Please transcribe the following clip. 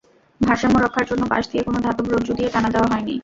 ভারসাম্য রক্ষার জন্য পাশ দিয়ে কোনো ধাতব রজ্জু দিয়ে টানা দেওয়া হয়নি।